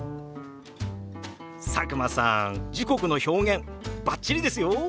佐久間さん時刻の表現バッチリですよ！